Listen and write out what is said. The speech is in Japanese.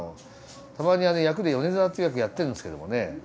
たまに役で米沢っていう役やってんですけどもね。